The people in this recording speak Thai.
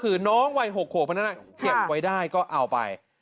หรือน้องวัยหกหกเพราะฉะนั้นเทียบไว้ได้ก็เอาไป